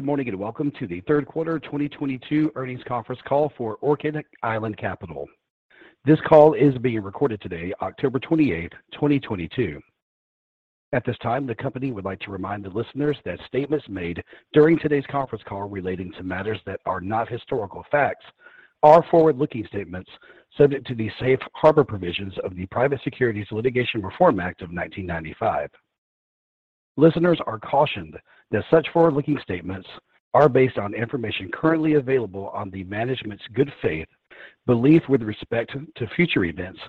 Good morning, and welcome to the third quarter 2022 earnings conference call for Orchid Island Capital. This call is being recorded today, October 28th, 2022. At this time, the company would like to remind the listeners that statements made during today's conference call relating to matters that are not historical facts are forward-looking statements subject to the safe harbor provisions of the Private Securities Litigation Reform Act of 1995. Listeners are cautioned that such forward-looking statements are based on information currently available on the management's good faith belief with respect to future events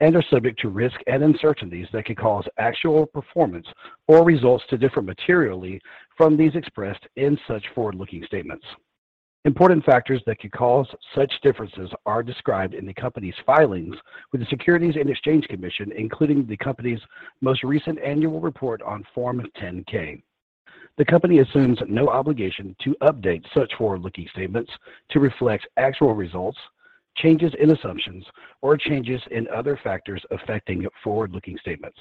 and are subject to risks and uncertainties that could cause actual performance or results to differ materially from those expressed in such forward-looking statements. Important factors that could cause such differences are described in the company's filings with the Securities and Exchange Commission, including the company's most recent annual report on Form 10-K. The company assumes no obligation to update such forward-looking statements to reflect actual results, changes in assumptions, or changes in other factors affecting forward-looking statements.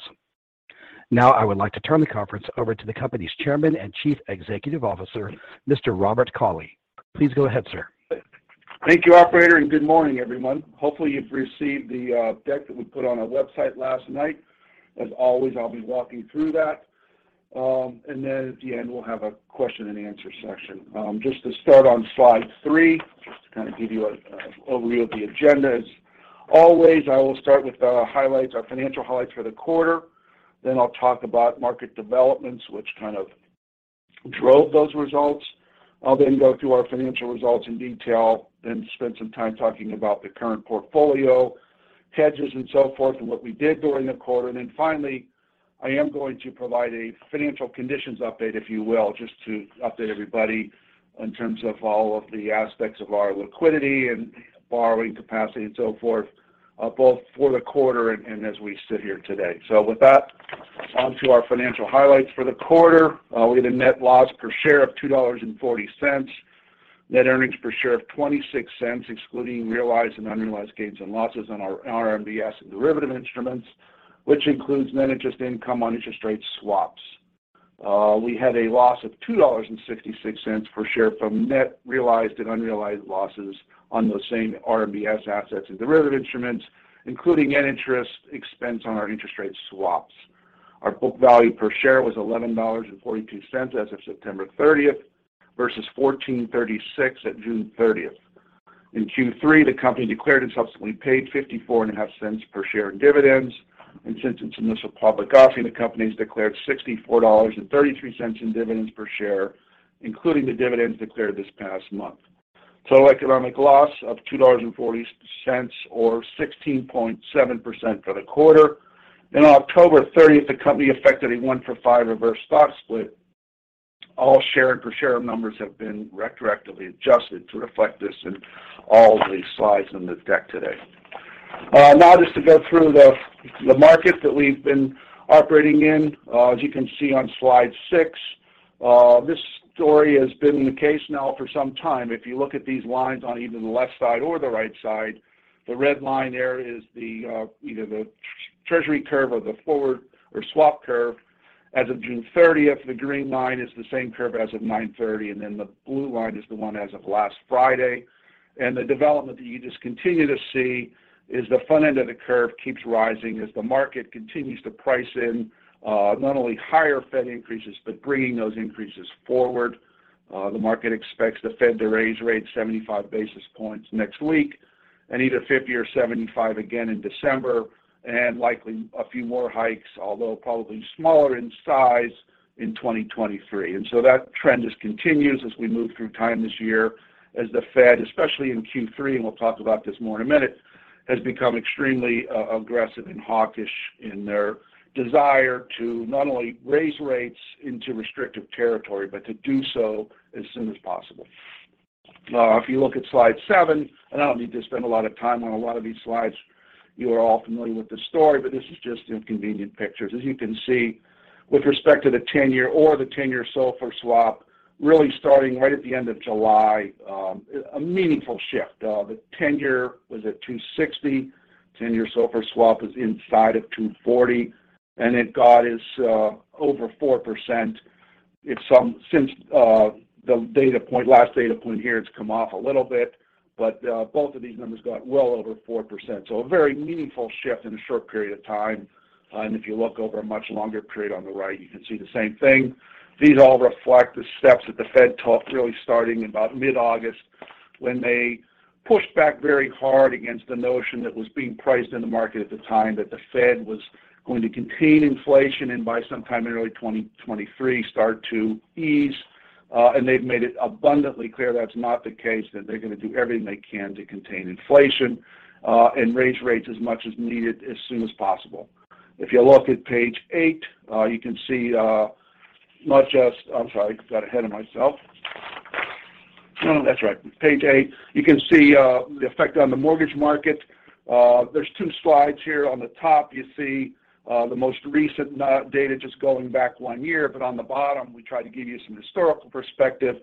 Now I would like to turn the conference over to the company's Chairman and Chief Executive Officer, Mr. Robert Cauley. Please go ahead, sir. Thank you, operator, and good morning, everyone. Hopefully, you've received the deck that we put on our website last night. As always, I'll be walking through that, and then at the end, we'll have a question and answer section. Just to start on slide three, just to kind of give you a overview of the agenda. As always, I will start with highlights, our financial highlights for the quarter. Then I'll talk about market developments, which kind of drove those results. I'll then go through our financial results in detail, then spend some time talking about the current portfolio, hedges and so forth, and what we did during the quarter. Then finally, I am going to provide a financial conditions update, if you will, just to update everybody in terms of all of the aspects of our liquidity and borrowing capacity and so forth, both for the quarter and as we sit here today. With that, on to our financial highlights for the quarter. We had a net loss per share of $2.40. Net earnings per share of $0.26, excluding realized and unrealized gains and losses on our RMBS and derivative instruments, which includes net interest income on interest rate swaps. We had a loss of $2.66 per share from net realized and unrealized losses on those same RMBS assets and derivative instruments, including net interest expense on our interest rate swaps. Our book value per share was $11.42 as of September 30th versus $14.36 at June 30th. In Q3, the company declared and subsequently paid 54 and a half cents per share in dividends. Since its initial public offering, the company's declared $64.33 in dividends per share, including the dividends declared this past month. Total economic loss of $2.40 or 16.7% for the quarter. On October 30, the company effected a one-for-five reverse stock split. All share and per share numbers have been retroactively adjusted to reflect this in all the slides in this deck today. Now just to go through the market that we've been operating in. As you can see on slide six, this story has been the case now for some time. If you look at these lines on either the left side or the right side, the red line there is either the Treasury curve or the forward or swap curve. As of June 30th, the green line is the same curve as of 9:30 A.M., and then the blue line is the one as of last Friday. The development that you just continue to see is the front end of the curve keeps rising as the market continues to price in not only higher Fed increases but bringing those increases forward. The market expects the Fed to raise rates 75 basis points next week and either 50 or 75 again in December and likely a few more hikes, although probably smaller in size in 2023. That trend just continues as we move through time this year as the Fed, especially in Q3, and we'll talk about this more in a minute, has become extremely aggressive and hawkish in their desire to not only raise rates into restrictive territory but to do so as soon as possible. If you look at slide seven, and I don't need to spend a lot of time on a lot of these slides. You are all familiar with the story, but this is just in convenient pictures. As you can see, with respect to the 10-year or the 10-year SOFR swap, really starting right at the end of July, a meaningful shift. The 10-year was at 2.60%. 10-year SOFR swap is inside of 2.40%. It got as over 4%. Since the last data point here, it's come off a little bit. But both of these numbers got well over 4%, so a very meaningful shift in a short period of time. If you look over a much longer period on the right, you can see the same thing. These all reflect the steps that the Fed took really starting in about mid-August when they pushed back very hard against the notion that was being priced in the market at the time that the Fed was going to contain inflation and by sometime in early 2023 start to ease. They've made it abundantly clear that's not the case, that they're gonna do everything they can to contain inflation and raise rates as much as needed as soon as possible. If you look at page eight, you can see the effect on the mortgage market. There's two slides here. On the top, you see the most recent data just going back one year. On the bottom, we try to give you some historical perspective.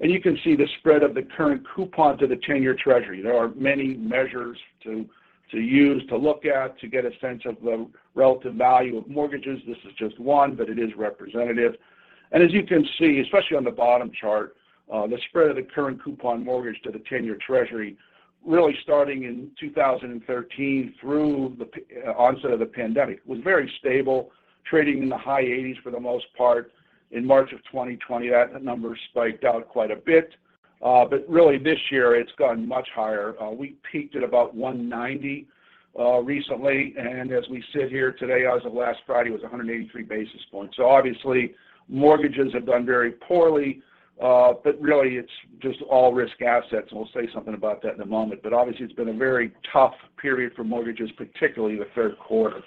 You can see the spread of the current coupon to the 10-year Treasury. There are many measures to use to look at to get a sense of the relative value of mortgages. This is just one, but it is representative. As you can see, especially on the bottom chart, the spread of the current coupon mortgage to the 10-year Treasury really starting in 2013 through the onset of the pandemic was very stable, trading in the high 80s for the most part. In March of 2020, that number spiked out quite a bit. Really this year it's gone much higher. We peaked at about 190, recently, and as we sit here today, as of last Friday, it was 183 basis points. Obviously, mortgages have done very poorly, but really it's just all risk assets, and we'll say something about that in a moment. Obviously, it's been a very tough period for mortgages, particularly the third quarter.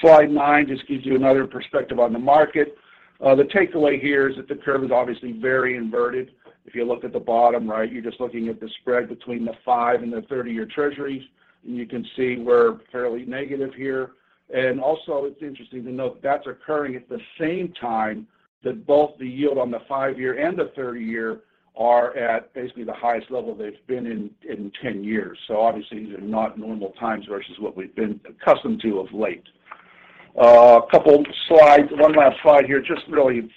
Slide nine just gives you another perspective on the market. The takeaway here is that the curve is obviously very inverted. If you look at the bottom right, you're just looking at the spread between the five- and 30-year Treasuries. You can see we're fairly negative here. Also, it's interesting to note that's occurring at the same time that both the yield on the five-year and the 30-year are at basically the highest level they've been in 10 years. Obviously, these are not normal times versus what we've been accustomed to of late. A couple slides. One last slide here, just really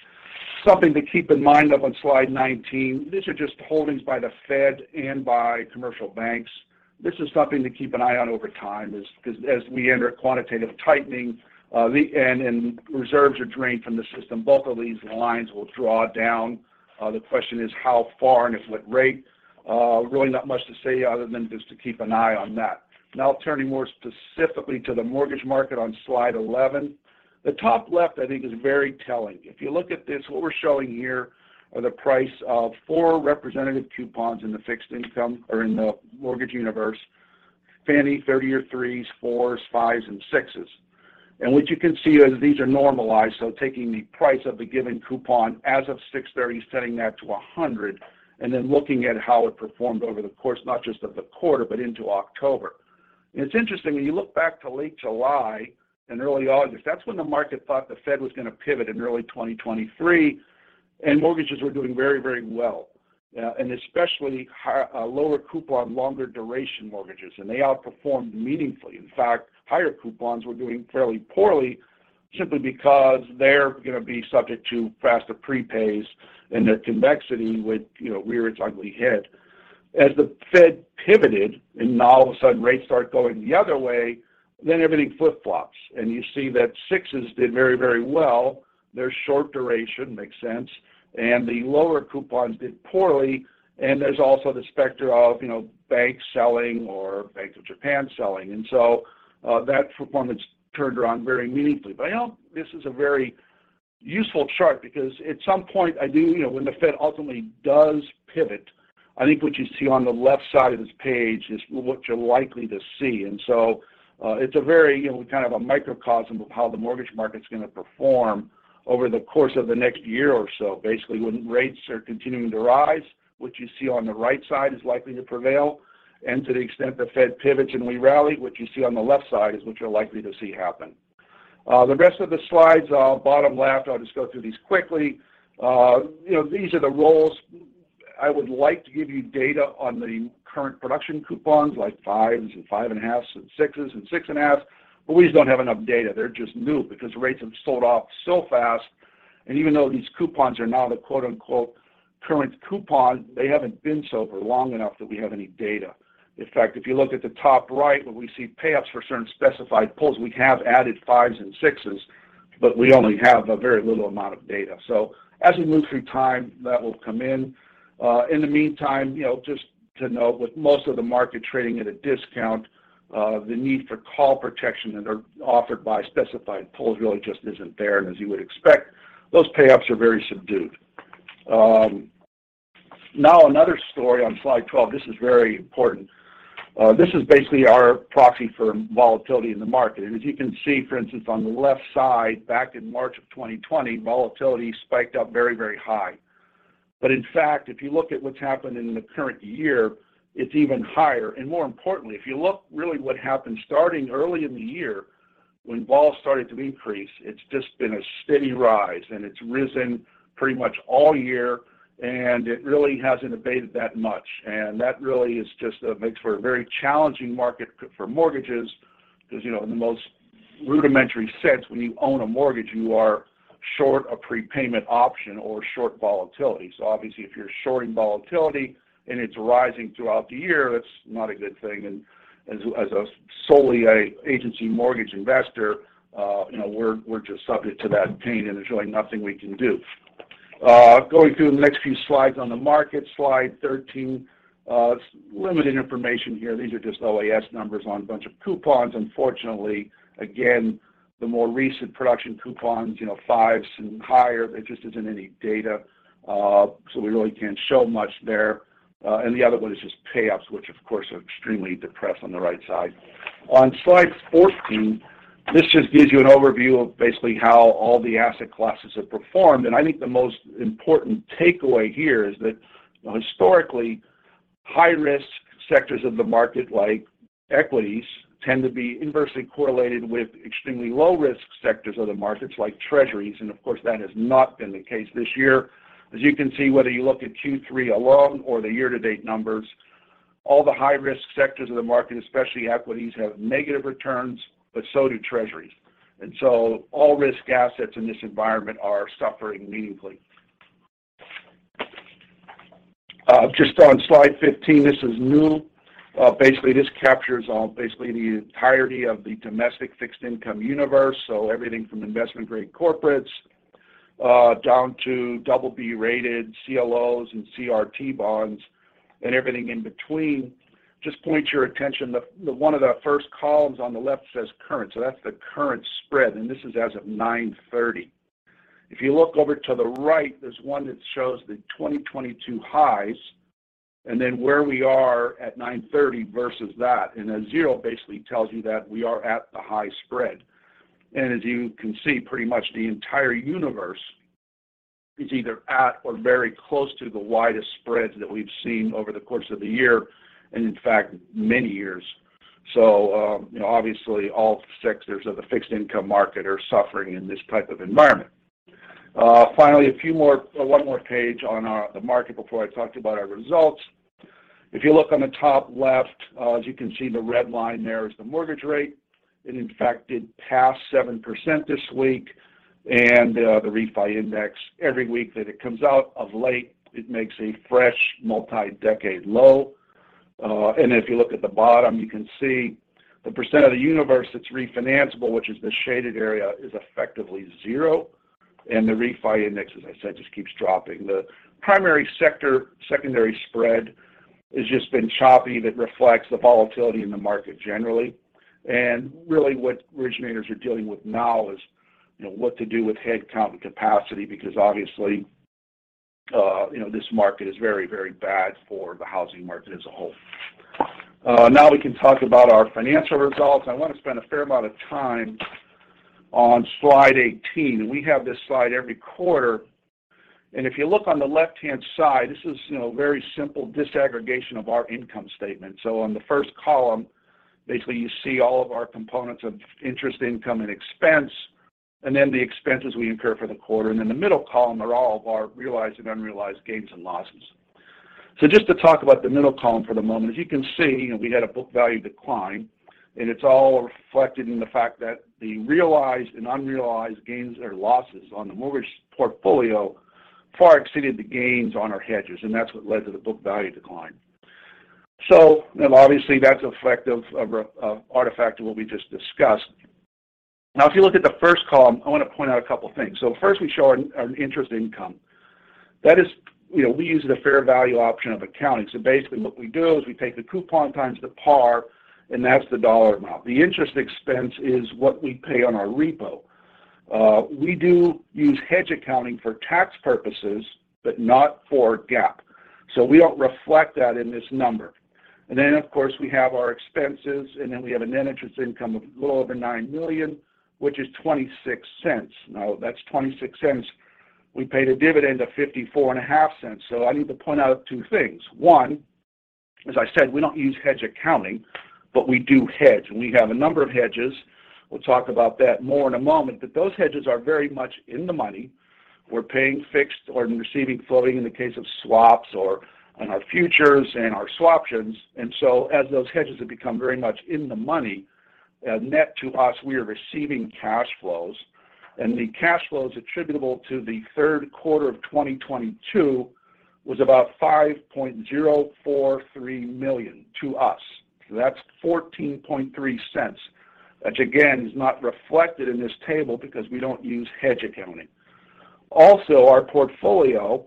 something to keep in mind up on slide 19. These are just holdings by the Fed and by commercial banks. This is something to keep an eye on over time as we enter quantitative tightening. Reserves are drained from the system, both of these lines will draw down. The question is how far and at what rate? Really not much to say other than just to keep an eye on that. Now turning more specifically to the mortgage market on slide 11. The top left, I think, is very telling. If you look at this, what we're showing here are the price of four representative coupons in the fixed income or in the mortgage universe, Fannie 30-year 3%, 4%, 5%, and 6%. What you can see is these are normalized, so taking the price of a given coupon as of 6:30, setting that to 100, and then looking at how it performed over the course, not just of the quarter, but into October. It's interesting, when you look back to late July and early August, that's when the market thought the Fed was going to pivot in early 2023, and mortgages were doing very, very well, and especially lower coupon, longer duration mortgages, and they outperformed meaningfully. In fact, higher coupons were doing fairly poorly simply because they're going to be subject to faster prepays and the convexity would, you know, rear its ugly head. As the Fed pivoted, now all of a sudden rates start going the other way, then everything flip-flops. You see that sixes did very, very well. Their short duration makes sense, and the lower coupons did poorly. There's also the specter of, you know, banks selling or Bank of Japan selling. That performance turned around very meaningfully. You know, this is a very useful chart because at some point, you know, when the Fed ultimately does pivot, I think what you see on the left side of this page is what you're likely to see. It's a very, you know, kind of a microcosm of how the mortgage market's going to perform over the course of the next year or so. Basically, when rates are continuing to rise, what you see on the right side is likely to prevail. To the extent the Fed pivots and we rally, what you see on the left side is what you're likely to see happen. The rest of the slides are bottom left. I'll just go through these quickly. You know, these are the rows. I would like to give you data on the current production coupons like 5% and 5.5% and 6% and 6.5%, but we just don't have enough data. They're just new because rates have sold off so fast, and even though these coupons are now the quote-unquote current coupon, they haven't been so for long enough that we have any data. In fact, if you look at the top right where we see payoffs for certain specified pools, we have added fives and sixes, but we only have a very little amount of data. As we move through time, that will come in. In the meantime, you know, just to note, with most of the market trading at a discount, the need for call protection that are offered by specified pools really just isn't there, and as you would expect, those payoffs are very subdued. Now another story on slide 12. This is very important. This is basically our proxy for volatility in the market. As you can see, for instance, on the left side, back in March of 2020, volatility spiked up very, very high. In fact, if you look at what's happened in the current year, it's even higher. More importantly, if you look really what happened starting early in the year when vol started to increase, it's just been a steady rise, and it's risen pretty much all year, and it really hasn't abated that much. That really is just makes for a very challenging market for mortgages because, you know, in the most rudimentary sense, when you own a mortgage, you are short a prepayment option or short volatility. So obviously if you're shorting volatility and it's rising throughout the year, that's not a good thing. As a solely agency mortgage investor, you know, we're just subject to that pain and there's really nothing we can do. Going through the next few slides on the market, slide 13, limited information here. These are just OAS numbers on a bunch of coupons. Unfortunately, again, the more recent production coupons, you know, 5% and higher, there just isn't any data, so we really can't show much there. The other one is just payoffs, which of course are extremely depressed on the right side. On slide 14, this just gives you an overview of basically how all the asset classes have performed. I think the most important takeaway here is that historically, high-risk sectors of the market, like equities, tend to be inversely correlated with extremely low-risk sectors of the markets, like treasuries. Of course, that has not been the case this year. As you can see, whether you look at Q3 alone or the year-to-date numbers. All the high-risk sectors of the market, especially equities, have negative returns, but so do treasuries. All risk assets in this environment are suffering meaningfully. Just on slide 15, this is new. Basically this captures all, basically the entirety of the domestic fixed income universe. Everything from investment-grade corporates, down to double B-rated CLOs and CRT bonds and everything in between. Just point your attention to the one of the first columns on the left says Current. That's the current spread, and this is as of 9:30 A.M. If you look over to the right, there's one that shows the 2022 highs, and then where we are at 9:30 A.M. versus that. Zero basically tells you that we are at the high spread. As you can see, pretty much the entire universe is either at or very close to the widest spreads that we've seen over the course of the year, and in fact, many years. You know, obviously all sectors of the fixed income market are suffering in this type of environment. Finally, one more page on the market before I talk to you about our results. If you look on the top left, as you can see, the red line there is the mortgage rate. It in fact did pass 7% this week. The refi index, every week that it comes out of late, it makes a fresh multi-decade low. If you look at the bottom, you can see the percent of the universe that's re-financeable, which is the shaded area, is effectively zero, and the refi index, as I said, just keeps dropping. The primary sector, secondary spread has just been choppy that reflects the volatility in the market generally. Really what originators are dealing with now is, you know, what to do with headcount and capacity, because obviously, you know, this market is very, very bad for the housing market as a whole. Now we can talk about our financial results. I want to spend a fair amount of time on slide 18. We have this slide every quarter. If you look on the left-hand side, this is, you know, a very simple disaggregation of our income statement. On the first column, basically you see all of our components of interest, income, and expense, and then the expenses we incur for the quarter. In the middle column are all of our realized and unrealized gains and losses. Just to talk about the middle column for the moment, as you can see, you know, we had a book value decline, and it's all reflected in the fact that the realized and unrealized gains or losses on the mortgage portfolio far exceeded the gains on our hedges, and that's what led to the book value decline. Obviously that's the effect of an artifact of what we just discussed. Now if you look at the first column, I want to point out a couple of things. First we show our interest income. That is, you know, we use the fair value option of accounting. Basically what we do is we take the coupon times the par, and that's the dollar amount. The interest expense is what we pay on our repo. We do use hedge accounting for tax purposes, but not for GAAP. We don't reflect that in this number. Of course we have our expenses, and then we have a net interest income of a little over $9 million, which is $0.26. Now that's $0.26. We paid a dividend of $0.545. I need to point out two things. One, as I said, we don't use hedge accounting, but we do hedge, and we have a number of hedges. We'll talk about that more in a moment, but those hedges are very much in the money. We're paying fixed or receiving floating in the case of swaps or on our futures and our swaptions. As those hedges have become very much in the money, net to us, we are receiving cash flows. The cash flows attributable to the third quarter of 2022 was about $5.043 million to us. So that's $0.143. Which again, is not reflected in this table because we don't use hedge accounting. Also, our portfolio,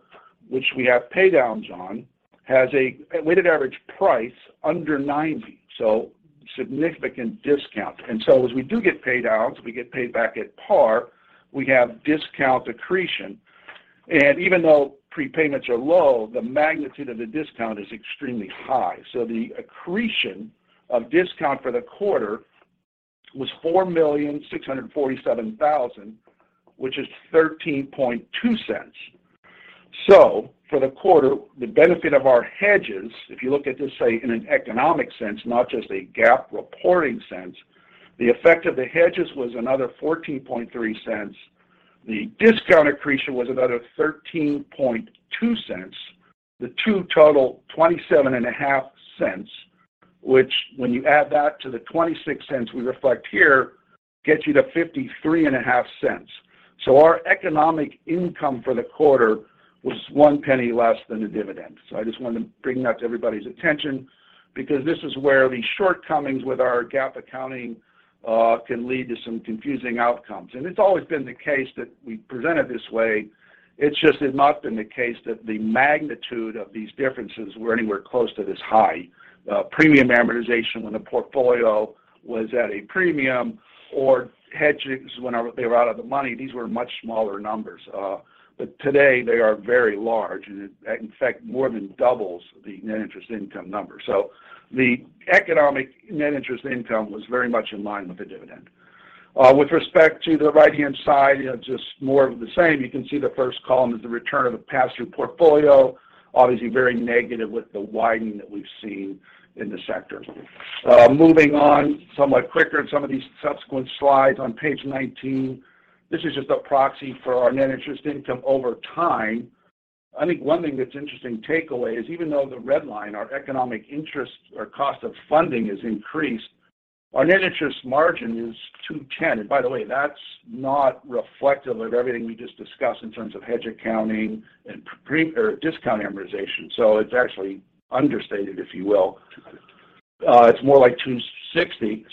which we have paydowns on, has a weighted average price under $90, so significant discount. As we do get paydowns, we get paid back at par, we have discount accretion. Even though prepayments are low, the magnitude of the discount is extremely high. The accretion of discount for the quarter was $4,647,000, which is $0.132. For the quarter, the benefit of our hedges, if you look at this, say, in an economic sense, not just a GAAP reporting sense, the effect of the hedges was another $0.143. The discount accretion was another $0.132. The two total $0.275, which when you add that to the $0.26 we reflect here, gets you to $0.535. Our economic income for the quarter was $0.01 less than the dividend. I just wanted to bring that to everybody's attention because this is where the shortcomings with our GAAP accounting can lead to some confusing outcomes. It's always been the case that we presented this way. It's just it has not been the case that the magnitude of these differences were anywhere close to this high. Premium amortization when the portfolio was at a premium or hedges whenever they were out of the money, these were much smaller numbers. But today they are very large and, in fact, more than doubles the net interest income number. The economic net interest income was very much in line with the dividend. With respect to the right-hand side, you know, just more of the same. You can see the first column is the return of the pass-through portfolio. Obviously very negative with the widening that we've seen in the sector. Moving on somewhat quicker in some of these subsequent slides on page 19. This is just a proxy for our net interest income over time. I think one thing that's interesting takeaway is even though the red line, our economic interest or cost of funding has increased, our net interest margin is 210. By the way, that's not reflective of everything we just discussed in terms of hedge accounting and premium or discount amortization. It's actually understated, if you will. It's more like 260.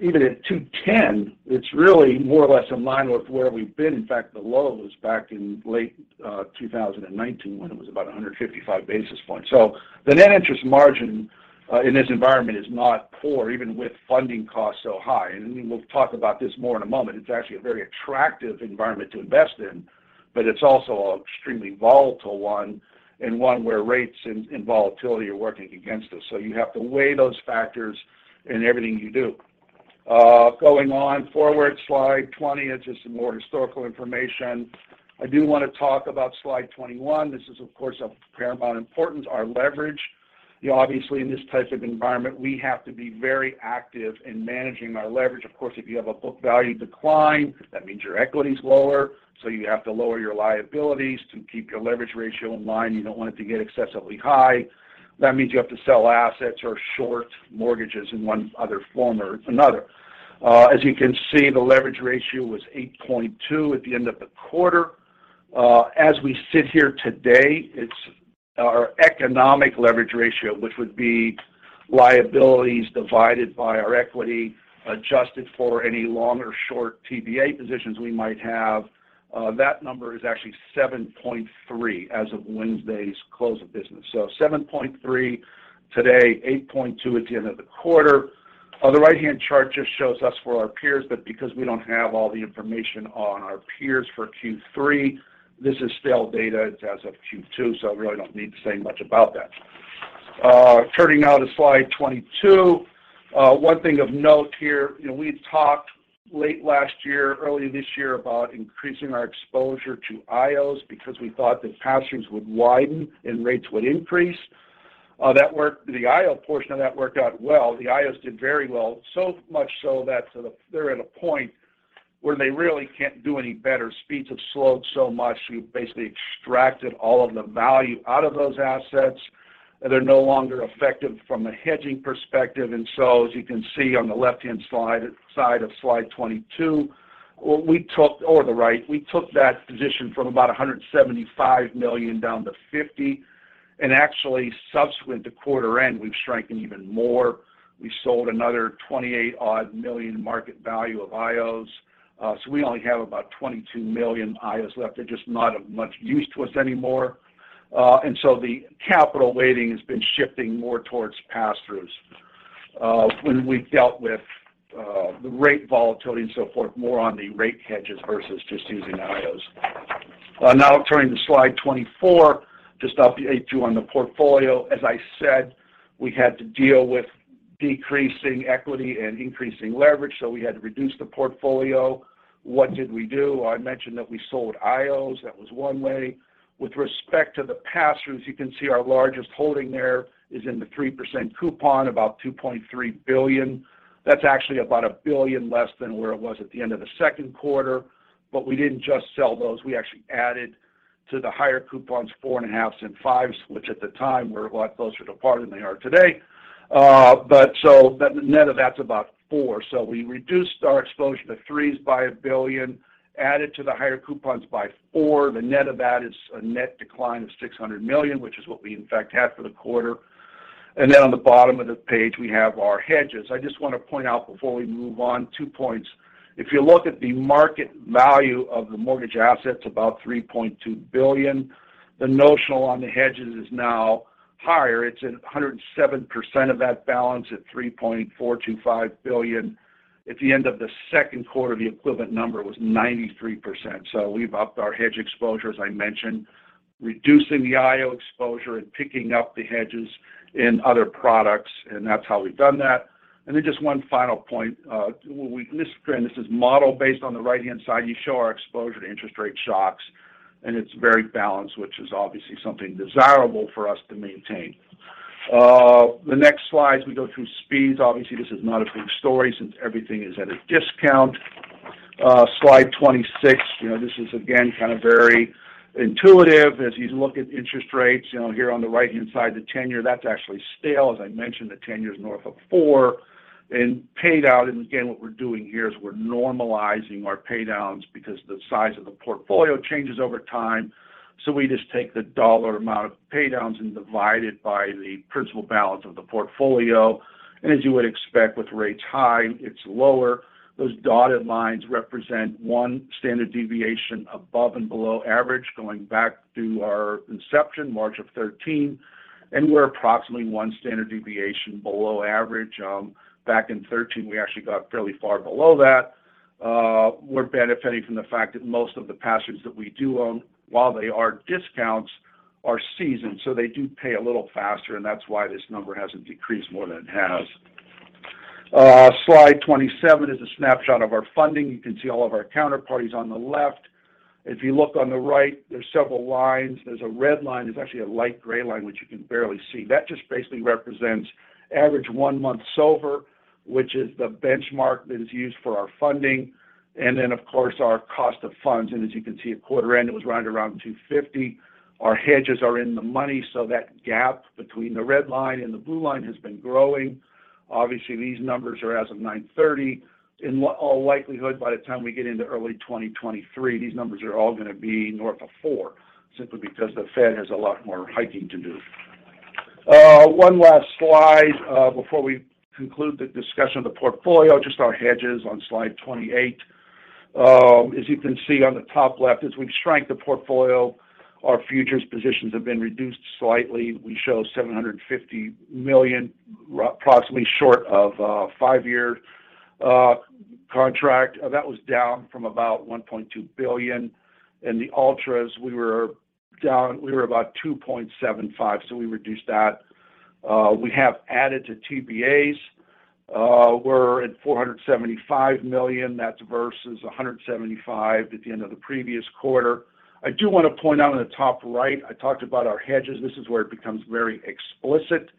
Even at 210, it's really more or less in line with where we've been. In fact, the low was back in late 2019 when it was about 155 basis points. The net interest margin in this environment is not poor, even with funding costs so high. We'll talk about this more in a moment. It's actually a very attractive environment to invest in, but it's also extremely volatile one and one where rates and volatility are working against us. You have to weigh those factors in everything you do. Going on forward, slide 20, it's just some more historical information. I do wanna talk about slide 21. This is, of course, of paramount importance, our leverage. You know, obviously, in this type of environment, we have to be very active in managing our leverage. Of course, if you have a book value decline, that means your equity is lower, so you have to lower your liabilities to keep your leverage ratio in line. You don't want it to get excessively high. That means you have to sell assets or short mortgages in one other form or another. As you can see, the leverage ratio was 8.2 at the end of the quarter. As we sit here today, it's our economic leverage ratio, which would be liabilities divided by our equity, adjusted for any long or short TBA positions we might have. That number is actually 7.3 as of Wednesday's close of business. 7.3 today, 8.2 at the end of the quarter. The right-hand chart just shows us for our peers, but because we don't have all the information on our peers for Q3, this is stale data. It's as of Q2, so I really don't need to say much about that. Turning now to slide 22. One thing of note here, you know, we talked late last year, early this year about increasing our exposure to IOs because we thought that pass-throughs would widen and rates would increase. That worked out well. The IO portion of that worked out well. The IOs did very well, so much so that they're at a point where they really can't do any better. Speeds have slowed so much, we've basically extracted all of the value out of those assets. They're no longer effective from a hedging perspective. As you can see on the left-hand side of slide 22, we took or the right, we took that position from about $175 million down to $50. Actually, subsequent to quarter end, we've stricken even more. We sold another 28 million odd market value of IOs. We only have about 22 million IOs left. They're just not of much use to us anymore. The capital weighting has been shifting more towards pass-throughs. When we've dealt with the rate volatility and so forth, more on the rate hedges versus just using IOs. Now turning to slide 24 to update you on the portfolio. As I said, we had to deal with decreasing equity and increasing leverage, so we had to reduce the portfolio. What did we do? I mentioned that we sold IOs. That was one way. With respect to the pass-throughs, you can see our largest holding there is in the 3% coupon, about $2.3 billion. That's actually about $1 billion less than where it was at the end of the second quarter. We didn't just sell those. We actually added to the higher coupons, 4.5% and 5%, which at the time were a lot closer to par than they are today. The net of that's about $4 billion. We reduced our exposure to 3% by $1 billion, added to the higher coupons by $4 billion. The net of that is a net decline of $600 million, which is what we in fact had for the quarter. On the bottom of the page, we have our hedges. I just wanna point out before we move on two points. If you look at the market value of the mortgage assets, about $3.2 billion. The notional on the hedges is now higher. It's at 107% of that balance at $3.425 billion. At the end of the second quarter, the equivalent number was 93%. We've upped our hedge exposure, as I mentioned, reducing the IO exposure and picking up the hedges in other products, and that's how we've done that. Just one final point. This is model-based on the right-hand side. You show our exposure to interest rate shocks, and it's very balanced, which is obviously something desirable for us to maintain. The next slides, we go through speeds. Obviously, this is not a big story since everything is at a discount. Slide 26. You know, this is again kind of very intuitive. As you look at interest rates, you know, here on the right-hand side, the 10-year, that's actually stale. As I mentioned, the 10-year is north of 4%. In pay down, again, what we're doing here is we're normalizing our pay downs because the size of the portfolio changes over time. We just take the dollar amount of pay downs and divide it by the principal balance of the portfolio. As you would expect with rates high, it's lower. Those dotted lines represent one standard deviation above and below average going back to our inception, March of 2013, and we're approximately one standard deviation below average. Back in 2013, we actually got fairly far below that. We're benefiting from the fact that most of the pass-throughs that we do own, while they are discounts, are seasoned, so they do pay a little faster, and that's why this number hasn't decreased more than it has. Slide 27 is a snapshot of our funding. You can see all of our counterparties on the left. If you look on the right, there's several lines. There's a red line. There's actually a light gray line which you can barely see. That just basically represents average one-month SOFR, which is the benchmark that is used for our funding, and then of course, our cost of funds. As you can see, at quarter end, it was right around 2.50%. Our hedges are in the money, so that gap between the red line and the blue line has been growing. Obviously, these numbers are as of 9:30 A.M. In all likelihood, by the time we get into early 2023, these numbers are all going to be north of 4%. Simply because the Fed has a lot more hiking to do. One last slide before we conclude the discussion of the portfolio, just our hedges on slide 28. As you can see on the top left, as we've shrank the portfolio, our futures positions have been reduced slightly. We show $750 million, approximately short of a five-year contract. That was down from about $1.2 billion. In the ultras, we were down about 2.75%, so we reduced that. We have added to TBAs. We're at $475 million. That's versus $175 million at the end of the previous quarter. I do want to point out in the top right, I talked about our hedges. This is where it becomes very explicit.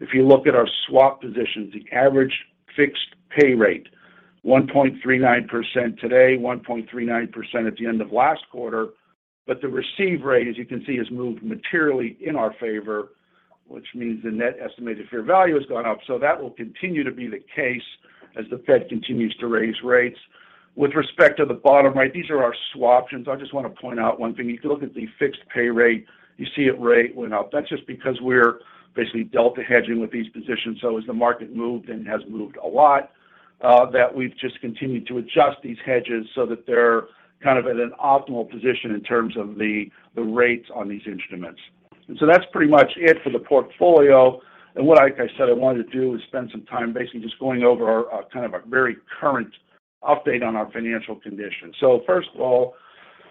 If you look at our swap positions, the average fixed pay rate, 1.39% today, 1.39% at the end of last quarter. The receive rate, as you can see, has moved materially in our favor, which means the net estimated fair value has gone up. That will continue to be the case as the Fed continues to raise rates. With respect to the bottom right, these are our swaptions. I just want to point out one thing. If you look at the fixed pay rate, you see, the rate went up. That's just because we're basically delta hedging with these positions. As the market moved, and it has moved a lot, that we've just continued to adjust these hedges so that they're kind of at an optimal position in terms of the rates on these instruments. That's pretty much it for the portfolio. What, like I said, I wanted to do is spend some time basically just going over our, a kind of a very current update on our financial condition. First of all,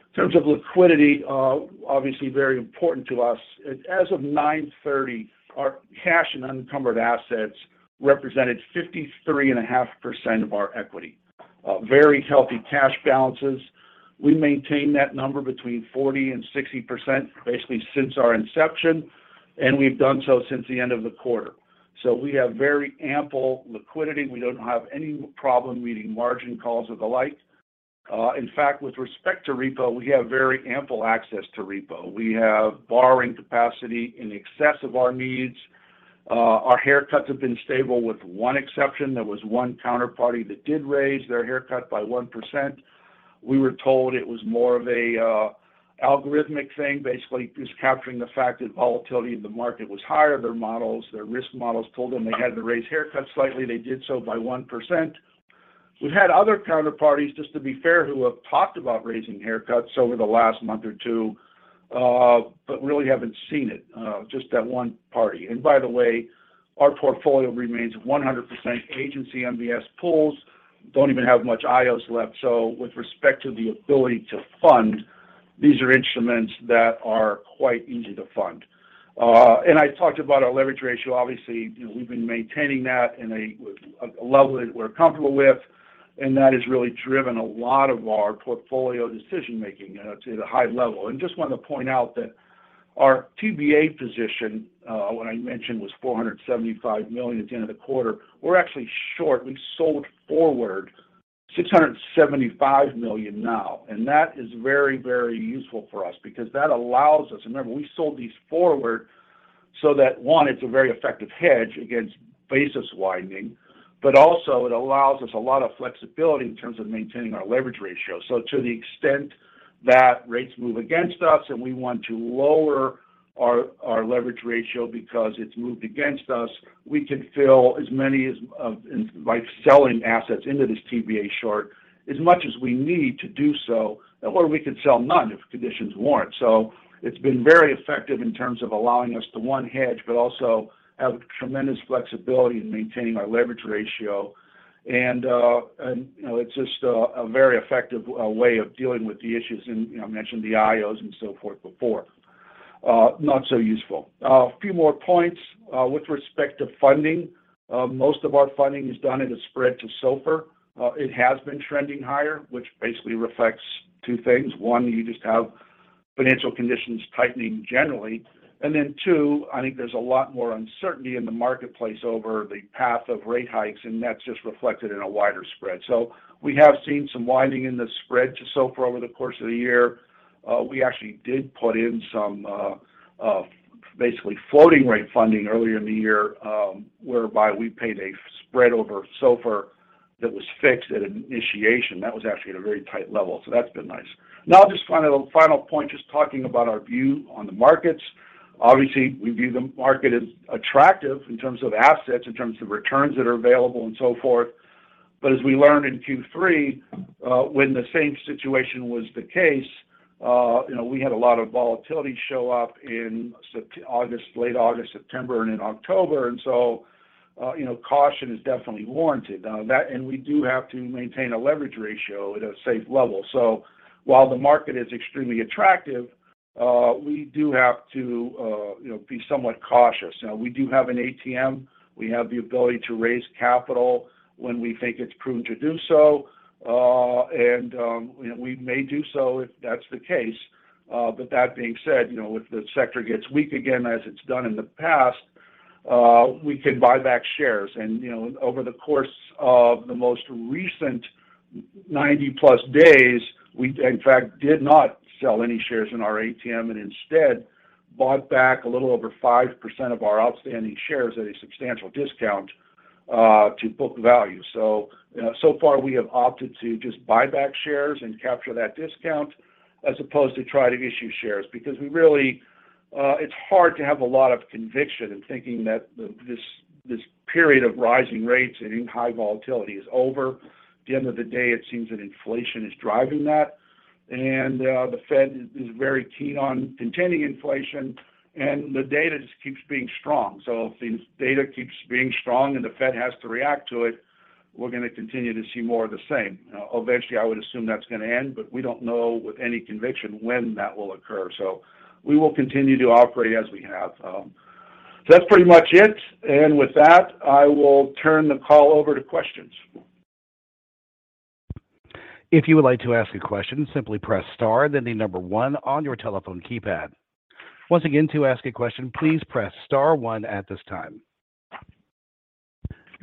in terms of liquidity, obviously very important to us. As of 9:30 A.M., our cash and unencumbered assets represented 53.5% of our equity. Very healthy cash balances. We maintain that number between 40%-60%, basically since our inception, and we've done so since the end of the quarter. We have very ample liquidity. We don't have any problem meeting margin calls or the like. In fact, with respect to repo, we have very ample access to repo. We have borrowing capacity in excess of our needs. Our haircuts have been stable with one exception. There was one counterparty that did raise their haircut by 1%. We were told it was more of a, algorithmic thing, basically just capturing the fact that volatility in the market was higher. Their models, their risk models told them they had to raise haircuts slightly. They did so by 1%. We've had other counterparties, just to be fair, who have talked about raising haircuts over the last month or two, but really haven't seen it. Just that one party. By the way, our portfolio remains 100% agency MBS pools. Don't even have much IOs left. With respect to the ability to fund, these are instruments that are quite easy to fund. I talked about our leverage ratio. Obviously, you know, we've been maintaining that in a level that we're comfortable with, and that has really driven a lot of our portfolio decision-making at a high level. Just wanted to point out that our TBA position, what I mentioned was $475 million at the end of the quarter, we're actually short. We sold forward $675 million now. That is very, very useful for us because that allows us. Remember, we sold these forward so that, one, it's a very effective hedge against basis widening, but also it allows us a lot of flexibility in terms of maintaining our leverage ratio. To the extent that rates move against us and we want to lower our leverage ratio because it's moved against us, we can fill as many as by selling assets into this TBA short as much as we need to do so, or we could sell none if conditions warrant. It's been very effective in terms of allowing us to hedge but also have tremendous flexibility in maintaining our leverage ratio. You know, it's just a very effective way of dealing with the issues. You know, I mentioned the IOs and so forth before. Not so useful. A few more points with respect to funding. Most of our funding is done at a spread to SOFR. It has been trending higher, which basically reflects two things. One, you just have financial conditions tightening generally. Two, I think there's a lot more uncertainty in the marketplace over the path of rate hikes, and that's just reflected in a wider spread. We have seen some widening in the spread to SOFR over the course of the year. We actually did put in some basically floating rate funding earlier in the year, whereby we paid a spread over SOFR that was fixed at initiation. That was actually at a very tight level. That's been nice. Now just final point, just talking about our view on the markets. Obviously, we view the market as attractive in terms of assets, in terms of returns that are available and so forth. As we learned in Q3, when the same situation was the case, you know, we had a lot of volatility show up in late August, September, and in October. Caution is definitely warranted. We do have to maintain a leverage ratio at a safe level. While the market is extremely attractive, we do have to, you know, be somewhat cautious. Now, we do have an ATM. We have the ability to raise capital when we think it's prudent to do so, and we may do so if that's the case. That being said, you know, if the sector gets weak again as it's done in the past, we can buy back shares. You know, over the course of the most recent 90-plus days, we in fact did not sell any shares in our ATM and instead bought back a little over 5% of our outstanding shares at a substantial discount to book value. You know, so far we have opted to just buy back shares and capture that discount as opposed to try to issue shares because we really. It's hard to have a lot of conviction in thinking that this period of rising rates and high volatility is over. At the end of the day, it seems that inflation is driving that and the Fed is very keen on contending inflation and the data just keeps being strong. If the data keeps being strong and the Fed has to react to it, we're gonna continue to see more of the same. Eventually I would assume that's gonna end, but we don't know with any conviction when that will occur. We will continue to operate as we have. That's pretty much it. With that, I will turn the call over to questions. If you would like to ask a question, simply press star then the number one on your telephone keypad. Once again, to ask a question, please press star one at this time.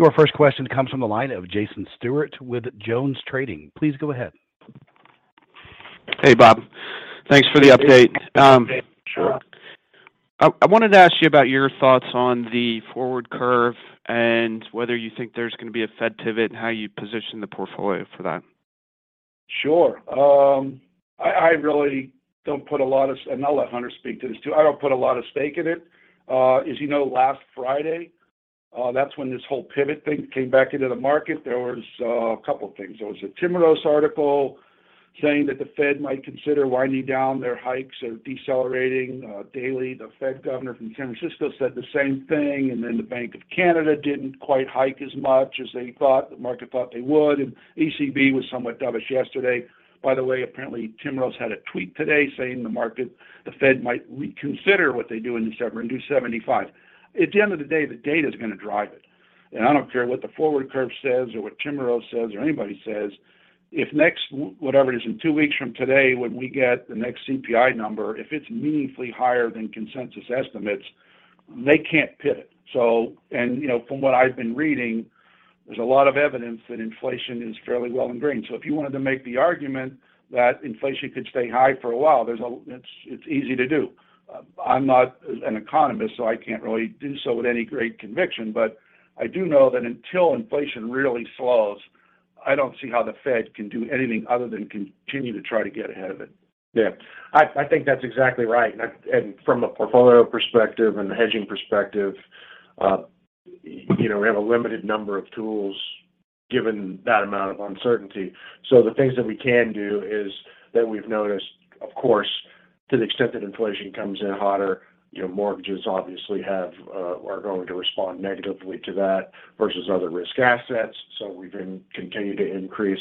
Your first question comes from the line of Jason Stewart with JonesTrading. please go ahead. Hey, Bob. Thanks for the update. Sure. I wanted to ask you about your thoughts on the forward curve and whether you think there's gonna be a Fed pivot and how you position the portfolio for that. Sure. I really don't put a lot of stake in it. I'll let Hunter speak to this too. As you know, last Friday, that's when this whole pivot thing came back into the market. There was a couple of things. There was a Timiraos article saying that the Fed might consider winding down their hikes or decelerating. Daly, the Fed governor from San Francisco, said the same thing. The Bank of Canada didn't quite hike as much as the market thought they would. ECB was somewhat dovish yesterday. By the way, apparently Timiraos had a tweet today saying that the Fed might reconsider what they do in December and do 75. At the end of the day, the data's gonna drive it. I don't care what the forward curve says or what Timiraos says or anybody says, if next, whatever it is, in two weeks from today when we get the next CPI number, if it's meaningfully higher than consensus estimates, they can't pivot. You know, from what I've been reading, there's a lot of evidence that inflation is fairly well ingrained. If you wanted to make the argument that inflation could stay high for a while, it's easy to do. I'm not an economist, so I can't really do so with any great conviction. I do know that until inflation really slows, I don't see how the Fed can do anything other than continue to try to get ahead of it. Yeah. I think that's exactly right. From a portfolio perspective and a hedging perspective, you know, we have a limited number of tools given that amount of uncertainty. The things that we can do is that we've noticed, of course, to the extent that inflation comes in hotter, you know, mortgages obviously are going to respond negatively to that versus other risk assets. We continue to increase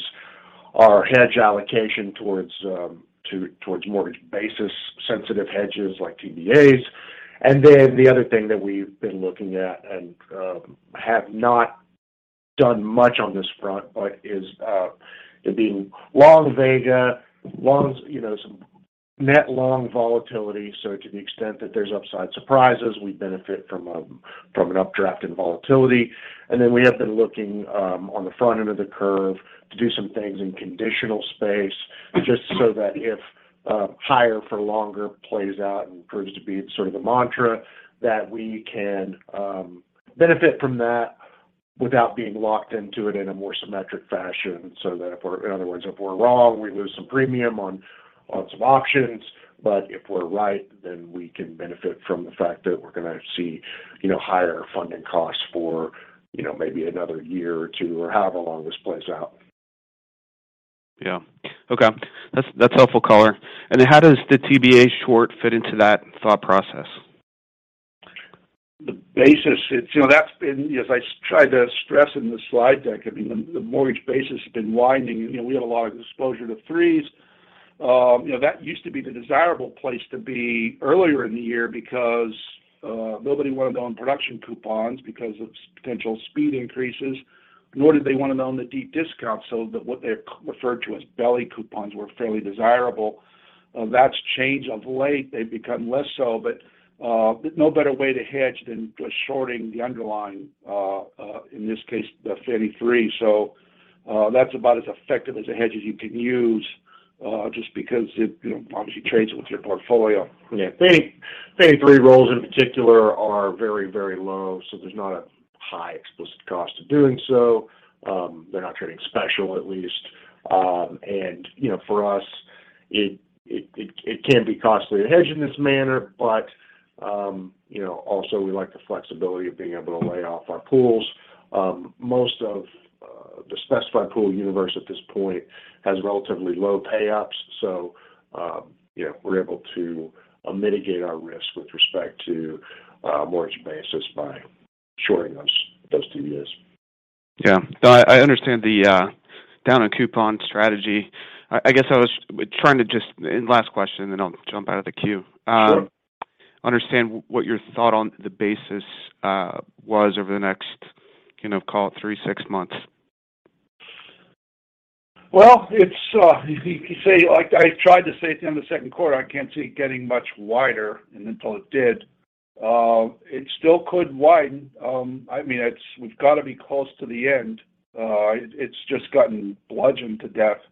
our hedge allocation towards mortgage basis sensitive hedges like TBAs. Then the other thing that we've been looking at and have not done much on this front, but it being long vega, you know, some net long volatility. To the extent that there's upside surprises, we benefit from an updraft in volatility. We have been looking on the front end of the curve to do some things in conditional space just so that if higher for longer plays out and proves to be sort of the mantra, that we can benefit from that without being locked into it in a more symmetric fashion so that if we're in other words, if we're wrong, we lose some premium on some options. But if we're right, then we can benefit from the fact that we're gonna see, you know, higher funding costs for, you know, maybe another year or two or however long this plays out. Yeah. Okay. That's helpful color. How does the TBA short fit into that thought process? The basis has been widening. As I tried to stress in the slide deck, I mean, the mortgage basis has been widening. We had a lot of exposure to threes. That used to be the desirable place to be earlier in the year because nobody wanted to own production coupons because of potential speed increases, nor did they wanna own the deep discount so that what they referred to as belly coupons were fairly desirable. That's changed of late. They've become less so, but no better way to hedge than just shorting the underlying, in this case, the threes. That's about as effective as a hedge as you can use just because it obviously trades with your portfolio. Yeah. 30, 33 rolls in particular are very, very low, so there's not a high explicit cost to doing so. They're not trading special at least. You know, for us, it can be costly to hedge in this manner, but you know, also we like the flexibility of being able to lay off our pools. Most of the specified pool universe at this point has relatively low pay-ups, so you know, we're able to mitigate our risk with respect to mortgage basis by shorting those TBAs. Yeah. No, I understand the down on coupon strategy. I guess I was trying to and last question then I'll jump out of the queue. Sure. Understand what your thought on the basis was over the next, you know, call it three, six months. Well, it's, you could say, like I tried to say at the end of the second quarter, I can't see it getting much wider, and until it did. It still could widen. I mean, it's. We've got to be close to the end. It's just gotten bludgeoned to death.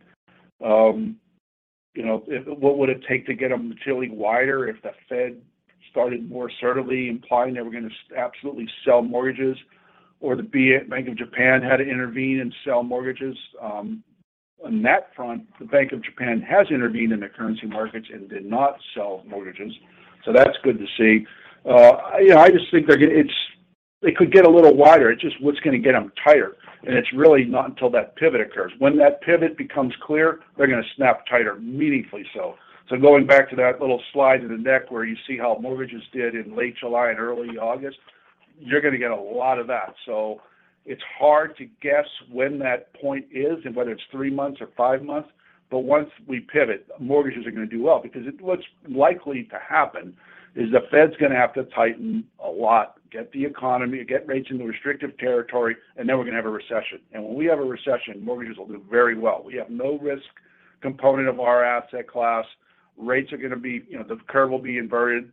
You know, if what would it take to get them materially wider if the Fed started more assertively implying they were gonna absolutely sell mortgages or the Bank of Japan had to intervene and sell mortgages. On that front, the Bank of Japan has intervened in the currency markets and did not sell mortgages, so that's good to see. You know, I just think they're gonna it's. It could get a little wider. It's just what's gonna get them tighter. It's really not until that pivot occurs. When that pivot becomes clear, they're gonna snap tighter, meaningfully so. Going back to that little slide in the deck where you see how mortgages did in late July and early August, you're gonna get a lot of that. It's hard to guess when that point is and whether it's three months or five months. Once we pivot, mortgages are gonna do well because what's likely to happen is the Fed's gonna have to tighten a lot, get the economy, get rates into restrictive territory, and then we're gonna have a recession. When we have a recession, mortgages will do very well. We have no risk component of our asset class. Rates are gonna be, you know, the curve will be inverted.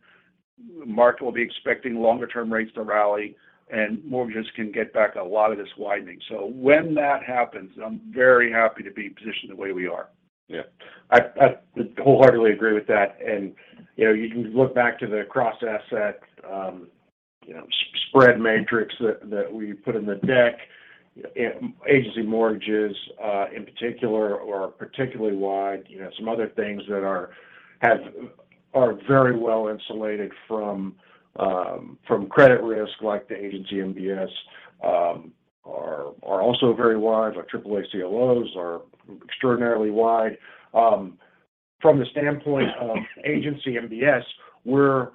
Market will be expecting longer term rates to rally, and mortgages can get back a lot of this widening. When that happens, I'm very happy to be positioned the way we are. Yeah. I wholeheartedly agree with that. You know, you can look back to the cross-asset spread matrix that we put in the deck. Agency mortgages in particular are particularly wide. You know, some other things that are very well insulated from credit risk, like the Agency MBS, are also very wide. Our triple-A CLOs are extraordinarily wide. From the standpoint of Agency MBS, we're,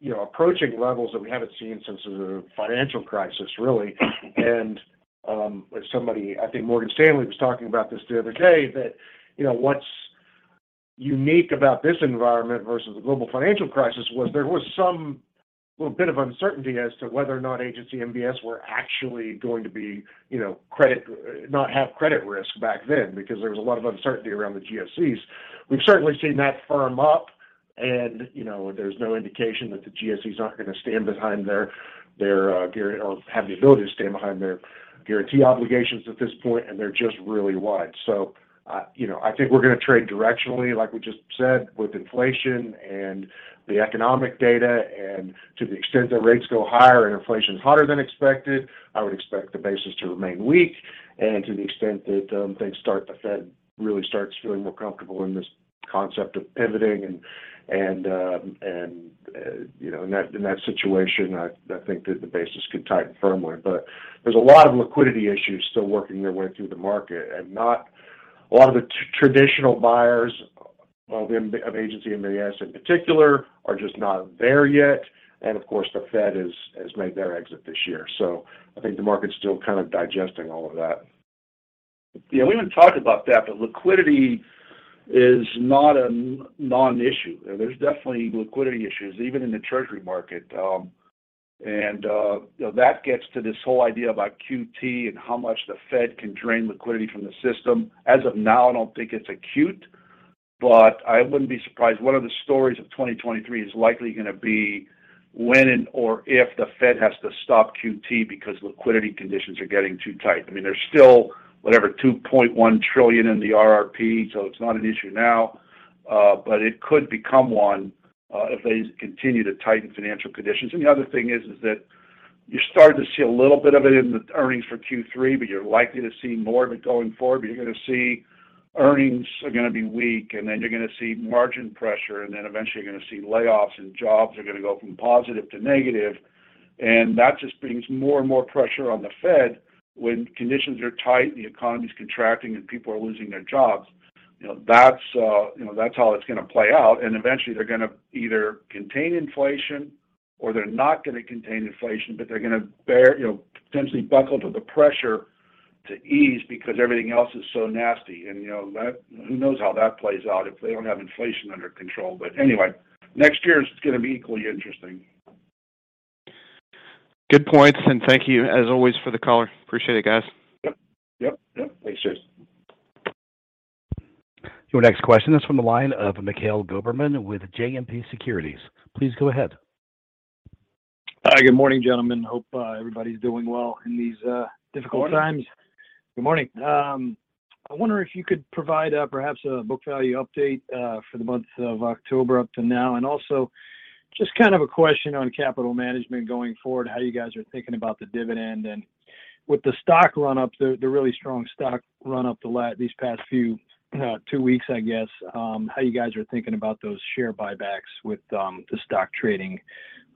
you know, approaching levels that we haven't seen since the financial crisis, really. As somebody, I think Morgan Stanley was talking about this the other day, that, you know, what's unique about this environment versus the global financial crisis was there was some little bit of uncertainty as to whether or not Agency MBS were actually going to be, you know, not have credit risk back then because there was a lot of uncertainty around the GSEs. We've certainly seen that firm up. You know, there's no indication that the GSEs aren't gonna stand behind their guarantee or have the ability to stand behind their guarantee obligations at this point, and they're just really wide. You know, I think we're gonna trade directionally, like we just said, with inflation and the economic data. To the extent that rates go higher and inflation is hotter than expected, I would expect the basis to remain weak. To the extent that the Fed really starts feeling more comfortable in this concept of pivoting and you know, in that situation, I think that the basis could tighten firmly. There's a lot of liquidity issues still working their way through the market and not a lot of the traditional buyers of Agency MBS in particular are just not there yet. Of course, the Fed has made their exit this year. I think the market's still kind of digesting all of that. Yeah, we haven't talked about that, but liquidity is not a non-issue. There's definitely liquidity issues even in the Treasury market. You know, that gets to this whole idea about QT and how much the Fed can drain liquidity from the system. As of now, I don't think it's acute, but I wouldn't be surprised. One of the stories of 2023 is likely gonna be when or if the Fed has to stop QT because liquidity conditions are getting too tight. I mean, there's still, whatever, $2.1 trillion in the RRP, so it's not an issue now, but it could become one, if they continue to tighten financial conditions. The other thing is that you're starting to see a little bit of it in the earnings for Q3, but you're likely to see more of it going forward. You're gonna see earnings are gonna be weak, and then you're gonna see margin pressure, and then eventually you're gonna see layoffs, and jobs are gonna go from positive to negative. That just brings more and more pressure on the Fed when conditions are tight and the economy is contracting and people are losing their jobs. You know, that's, you know, that's how it's gonna play out. Eventually they're gonna either contain inflation or they're not gonna contain inflation, but they're gonna bear, you know, potentially buckle to the pressure to ease because everything else is so nasty. You know, that. Who knows how that plays out if they don't have inflation under control. Anyway, next year is gonna be equally interesting. Good points, and thank you as always for the color. Appreciate it, guys. Yep. Thanks. Cheers. Your next question is from the line of Mikhail Goberman with JMP Securities. Please go ahead. Hi. Good morning, gentlemen. Hope, everybody's doing well in these, difficult times. Good morning. Good morning. I wonder if you could provide, perhaps a book value update, for the month of October up to now. Also just kind of a question on capital management going forward, how you guys are thinking about the dividend. With the stock run-up, the really strong stock run up these past few, two weeks, I guess, how you guys are thinking about those share buybacks with, the stock trading,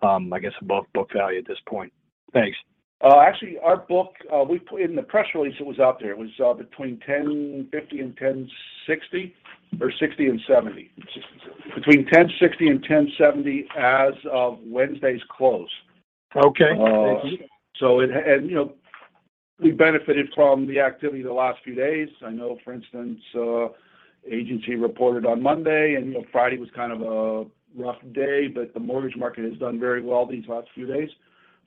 I guess above book value at this point. Thanks. Actually, our book, we put in the press release that was out there. It was between $10.60 and $10.70 as of Wednesday's close. Okay. Thank you. You know, we benefited from the activity the last few days. I know, for instance, agency reported on Monday, and you know, Friday was kind of a rough day, but the mortgage market has done very well these last few days.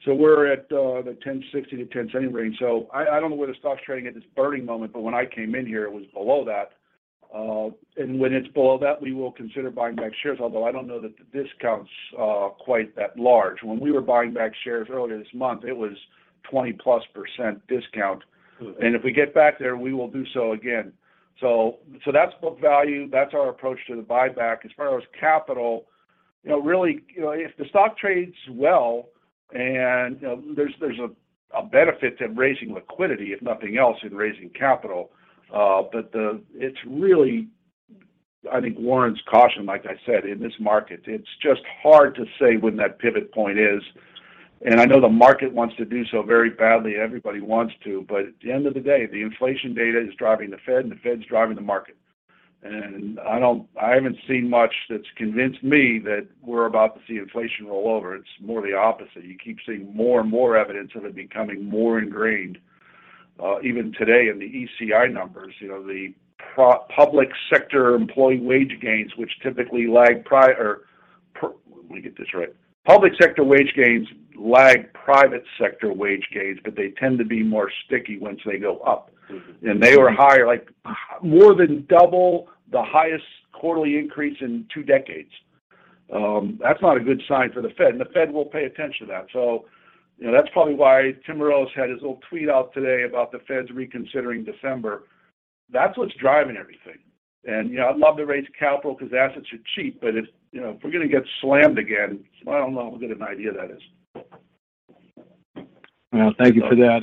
We're at the $10.60-$10.70 range. I don't know where the stock's trading at this very moment, but when I came in here, it was below that. When it's below that, we will consider buying back shares, although I don't know that the discount's quite that large. When we were buying back shares earlier this month, it was 20%+ discount. Mm-hmm. If we get back there, we will do so again. That's book value. That's our approach to the buyback. As far as capital, you know, really, you know, if the stock trades well and, you know, there's a benefit to raising liquidity, if nothing else, in raising capital. It's really, I think warrants caution, like I said, in this market. It's just hard to say when that pivot point is. I know the market wants to do so very badly, and everybody wants to, but at the end of the day, the inflation data is driving the Fed, and the Fed's driving the market. I haven't seen much that's convinced me that we're about to see inflation roll over. It's more the opposite. You keep seeing more and more evidence of it becoming more ingrained. Even today in the ECI numbers, you know, public sector wage gains lag private sector wage gains, but they tend to be more sticky once they go up. Mm-hmm. They were higher, like, more than double the highest quarterly increase in two decades. That's not a good sign for the Fed, and the Fed will pay attention to that. You know, that's probably why Nick Timiraos had his little tweet out today about the Fed's reconsidering December. That's what's driving everything. You know, I'd love to raise capital because assets are cheap, but if, you know, if we're gonna get slammed again, I don't know how good an idea that is. Well, thank you for that.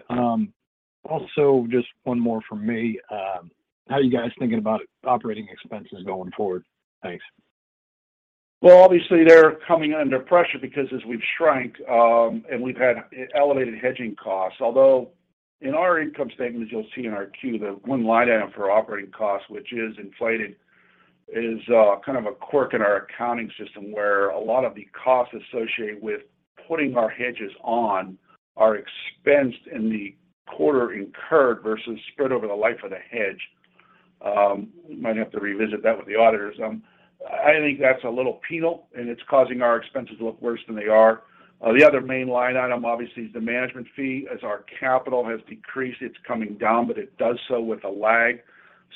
Also, just one more from me. How are you guys thinking about operating expenses going forward? Thanks. Well, obviously they're coming under pressure because as we've shrank and we've had elevated hedging costs. Although in our income statement, as you'll see in our Q, the one line item for operating costs, which is inflated, is kind of a quirk in our accounting system where a lot of the costs associated with putting our hedges on are expensed in the quarter incurred versus spread over the life of the hedge. Might have to revisit that with the auditors. I think that's a little penal, and it's causing our expenses to look worse than they are. The other main line item, obviously, is the management fee. As our capital has decreased, it's coming down, but it does so with a lag.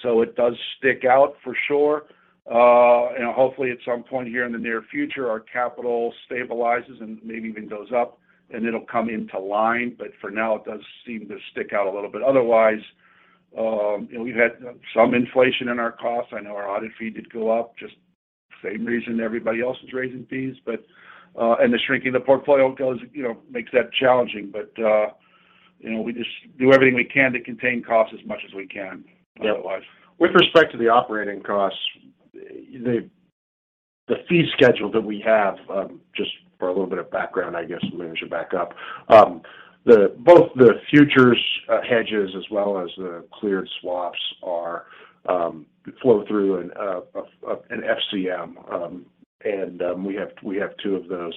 It does stick out for sure. Hopefully at some point here in the near future, our capital stabilizes and maybe even goes up, and it'll come into line. For now, it does seem to stick out a little bit. Otherwise, you know, we've had some inflation in our costs. I know our audit fee did go up, just same reason everybody else is raising fees. You know, we just do everything we can to contain costs as much as we can going forward. With respect to the operating costs, the fee schedule that we have, just for a little bit of background, I guess, maybe I should back up. Both the futures hedges as well as the cleared swaps are flow through an FCM, and we have two of those.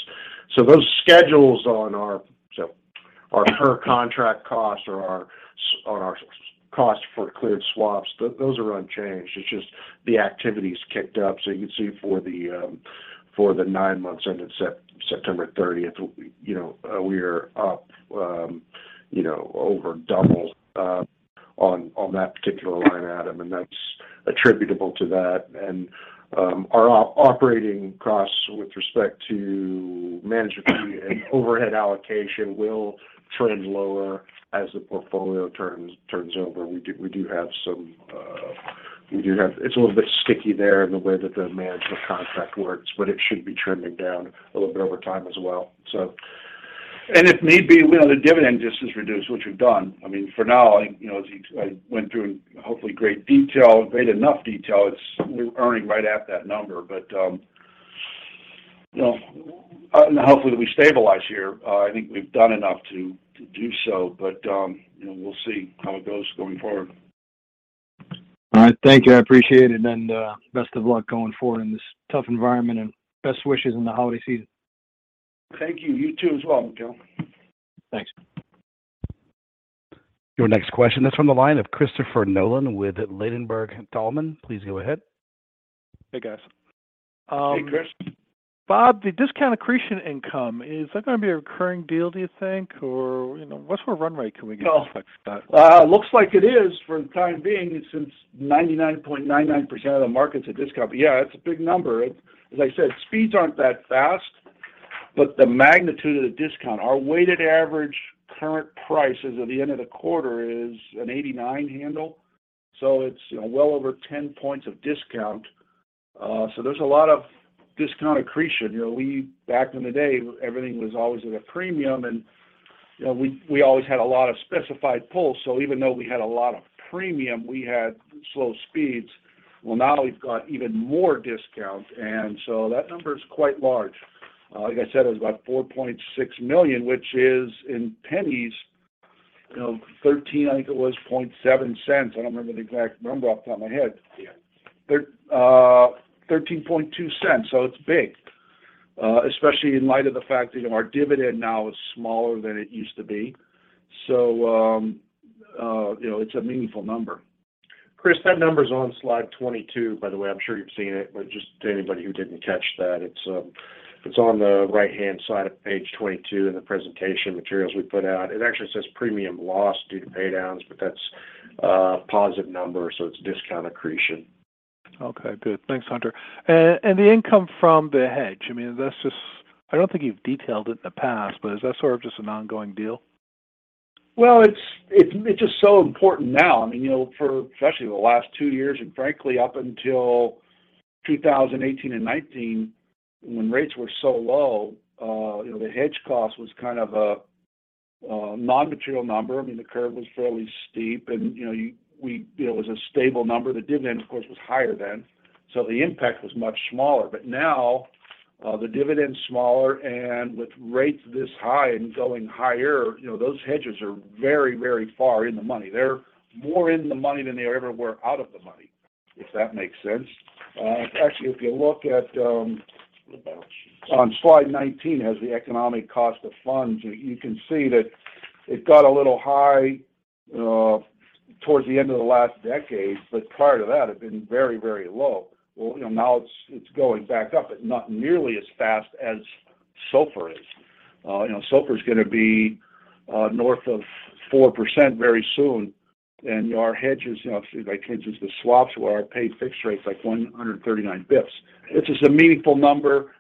Those schedules on our, so our per contract cost or our cost for cleared swaps, those are unchanged. It's just the activity's kicked up. You can see for the nine months ended September 30th, we, you know, we are up, you know, over double on that particular line item, and that's attributable to that. Our operating costs with respect to management fee and overhead allocation will trend lower as the portfolio turns over. We do have some. It's a little bit sticky there in the way that the management contract works, but it should be trending down a little bit over time as well, so. If need be, you know, the dividend just is reduced, which we've done. I mean, for now, you know, I went through in hopefully great enough detail, we're earning right at that number. You know, and hopefully we stabilize here. I think we've done enough to do so. You know, we'll see how it goes going forward. All right. Thank you. I appreciate it. And, best of luck going forward in this tough environment, and best wishes in the holiday season. Thank you. You too as well, Mikhail Goberman. Thanks. Your next question is from the line of Christopher Nolan with Ladenburg Thalmann. Please go ahead. Hey, guys. Hey, Chris. Bob, the discount accretion income, is that gonna be a recurring deal, do you think? Or, you know, what's more run rate can we get with that? Well, it looks like it is for the time being since 99.99% of the market's a discount. Yeah, it's a big number. As I said, speeds aren't that fast, but the magnitude of the discount, our weighted average current prices at the end of the quarter is an 89 handle, so it's, you know, well over 10 points of discount. There's a lot of discount accretion. You know, back in the day, everything was always at a premium and, you know, we always had a lot of specified pools. Even though we had a lot of premium, we had slow speeds. Well, now we've got even more discounts, and so that number is quite large. Like I said, it was about $4.6 million, which is in pennies. You know, $0.13, I think it was, $0.7. I don't remember the exact number off the top of my head. Yeah. $0.132. It's big, especially in light of the fact that, you know, our dividend now is smaller than it used to be. You know, it's a meaningful number. Chris, that number's on slide 22, by the way. I'm sure you've seen it. Just to anybody who didn't catch that, it's on the right-hand side of page 22 in the presentation materials we put out. It actually says premium loss due to pay downs, but that's a positive number, so it's discount accretion. Okay. Good. Thanks, Hunter. The income from the hedge, I mean, that's just. I don't think you've detailed it in the past, but is that sort of just an ongoing deal? Well, it's just so important now. I mean, you know, for especially the last two years and frankly up until 2018 and 2019 when rates were so low, you know, the hedge cost was kind of a non-material number. I mean, the curve was fairly steep and, you know, it was a stable number. The dividend, of course, was higher then, so the impact was much smaller. Now, the dividend's smaller, and with rates this high and going higher, you know, those hedges are very, very far in the money. They're more in the money than they ever were out of the money, if that makes sense. Actually, if you look at on slide 19 has the economic cost of funds, you can see that it got a little high towards the end of the last decade. Prior to that, it'd been very, very low. Well, you know, now it's going back up, but not nearly as fast as SOFR is. You know, SOFR's gonna be north of 4% very soon. Our hedges, you know, like hedges, the swaps where we pay fixed rates like 139 basis points. It's just a meaningful number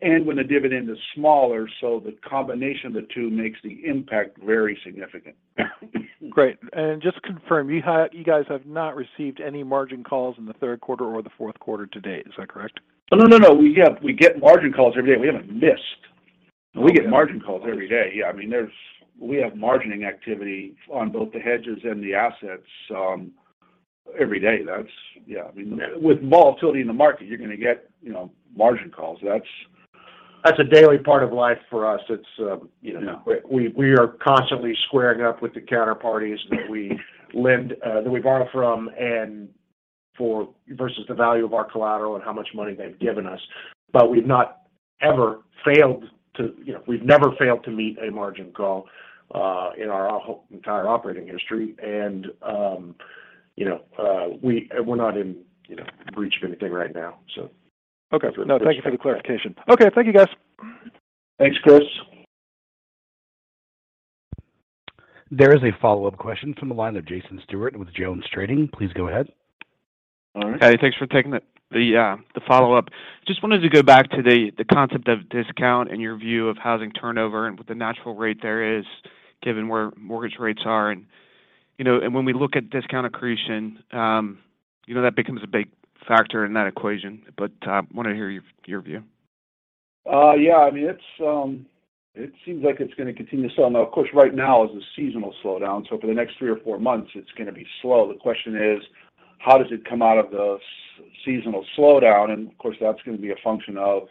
and when the dividend is smaller, so the combination of the two makes the impact very significant. Great. Just to confirm, you guys have not received any margin calls in the third quarter or the fourth quarter to date. Is that correct? No. We get margin calls every day. We haven't missed. Oh, okay. We get margin calls every day. Yeah. I mean, we have margining activity on both the hedges and the assets every day. That's. Yeah. I mean, with volatility in the market, you're gonna get, you know, margin calls. That's a daily part of life for us. It's, you know. Yeah We are constantly squaring up with the counterparties that we lend that we borrow from and for versus the value of our collateral and how much money they've given us. But we've never failed to meet a margin call in our whole entire operating history. You know, we're not in, you know, breach of anything right now, so. Okay. No, thank you for the clarification. Okay. Thank you, guys. Thanks, Chris. There is a follow-up question from the line of Jason Stewart with JonesTrading. please go ahead. All right. Hey, thanks for taking the follow-up. Just wanted to go back to the concept of discount and your view of housing turnover and what the natural rate there is given where mortgage rates are. You know, and when we look at discount accretion, you know, that becomes a big factor in that equation. Wanted to hear your view. Yeah. I mean, it seems like it's gonna continue. Now, of course, right now is a seasonal slowdown, so for the next three or four months it's gonna be slow. The question is, how does it come out of the seasonal slowdown? Of course, that's gonna be a function of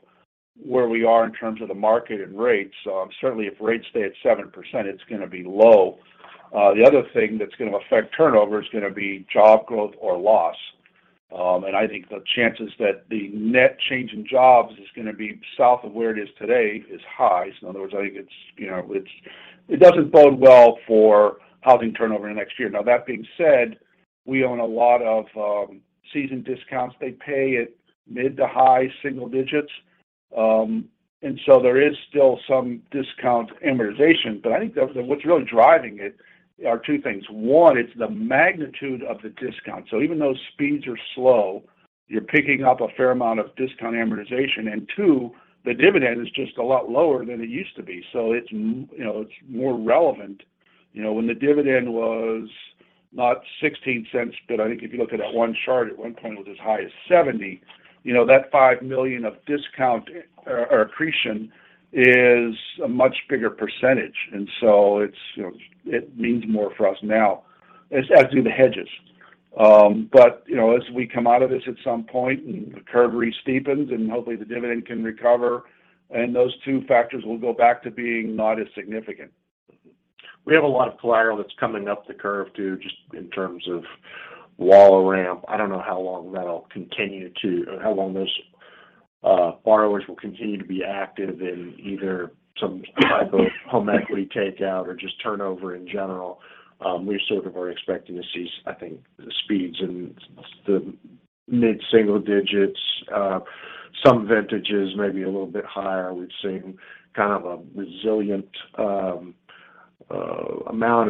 where we are in terms of the market and rates. Certainly if rates stay at 7%, it's gonna be low. The other thing that's gonna affect turnover is gonna be job growth or loss. I think the chances that the net change in jobs is gonna be south of where it is today is high. In other words, I think it's, you know, it doesn't bode well for housing turnover in the next year. Now that being said, we own a lot of seasoned discounts. They pay at mid to high single digits. There is still some discount amortization. But I think what's really driving it are two things. One, it's the magnitude of the discount. So even though speeds are slow, you're picking up a fair amount of discount amortization. And two, the dividend is just a lot lower than it used to be. So it's more relevant. You know, when the dividend was not $0.16, but I think if you look at that one chart, at one point it was as high as $0.70. You know, that $5 million of discount or accretion is a much bigger percentage. It means more for us now, as do the hedges. You know, as we come out of this at some point and the curve re-steepens, and hopefully the dividend can recover, and those two factors will go back to being not as significant. We have a lot of collateral that's coming up the curve, too, just in terms of wall of ramp. I don't know how long that'll continue or how long those borrowers will continue to be active in either some type of home equity takeout or just turnover in general. We sort of are expecting to see, I think, the speeds in the mid-single digits. Some vintages may be a little bit higher. We've seen kind of a resilient amount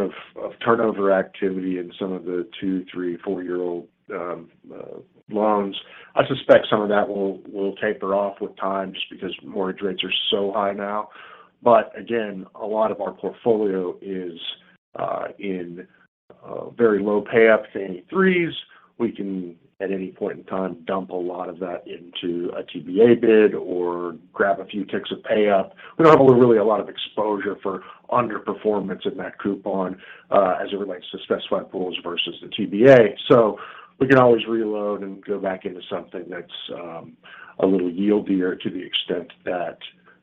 of turnover activity in some of the two, three, four-year-old loans. I suspect some of that will taper off with time just because mortgage rates are so high now. Again, a lot of our portfolio is in very low payups, 83s. We can, at any point in time, dump a lot of that into a TBA bid or grab a few ticks of pay-up. We don't have, really, a lot of exposure for underperformance in that coupon, as it relates to specified pools versus the TBA. We can always reload and go back into something that's a little yieldier to the extent that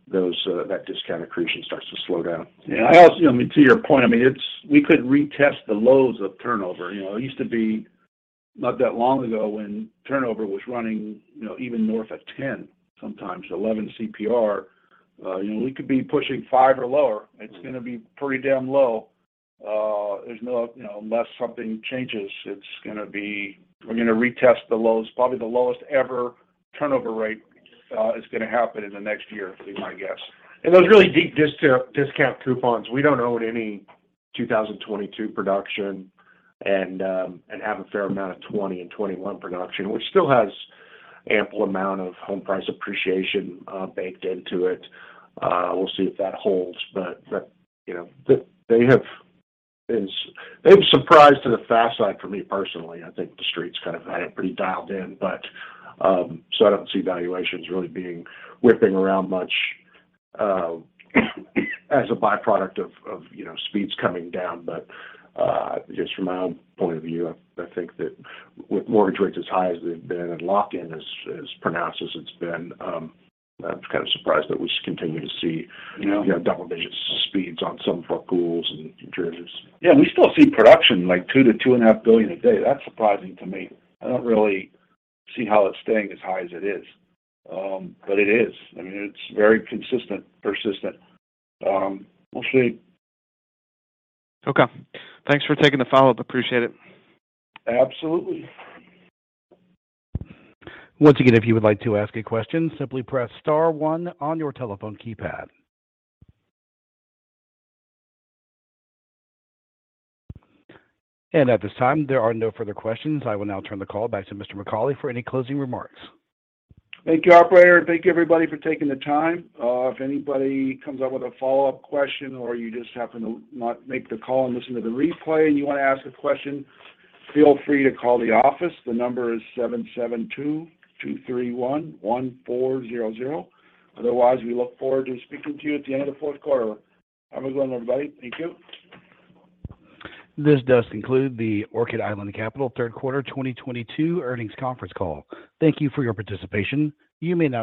those that discount accretion starts to slow down. You know, I mean, to your point, we could retest the lows of turnover. You know, it used to be not that long ago when turnover was running, you know, even north of 10%, sometimes 11% CPR. You know, we could be pushing 5% or lower. Mm-hmm. It's gonna be pretty damn low. You know, unless something changes, we're gonna retest the lows. Probably the lowest ever turnover rate is gonna happen in the next year would be my guess. Those really deep discount coupons, we don't own any 2022 production and have a fair amount of 2020 and 2021 production, which still has ample amount of home price appreciation baked into it. We'll see if that holds but, you know, they have been. They've surprised to the fast side for me personally. I think the street's kind of had it pretty dialed in. I don't see valuations really being whipping around much as a byproduct of you know, speeds coming down. But just from my own point of view, I think that with mortgage rates as high as they've been and lock-in as pronounced as it's been, I'm kind of surprised that we continue to see- You know.... you know, double-digit speeds on some pools and GSEs. Yeah, we still see production like $2 billion-$2.5 billion a day. That's surprising to me. I don't really see how it's staying as high as it is. It is. I mean, it's very consistent, persistent. We'll see. Okay. Thanks for taking the follow-up. Appreciate it. Absolutely. Once again, if you would like to ask a question, simply press star one on your telephone keypad. At this time, there are no further questions. I will now turn the call back to Mr. Cauley for any closing remarks. Thank you, operator. Thank you, everybody, for taking the time. If anybody comes up with a follow-up question or you just happen to not make the call and listen to the replay and you wanna ask a question, feel free to call the office. The number is 772-231-1400. Otherwise, we look forward to speaking to you at the end of the fourth quarter. Have a good one, everybody. Thank you. This does conclude the Orchid Island Capital third quarter 2022 earnings conference call. Thank you for your participation. You may now disconnect.